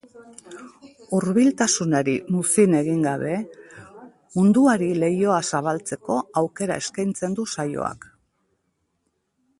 Hurbiltasunari muzin egin gabe, munduari leihoa zabaltzeko aukera eskaintzen du saioak.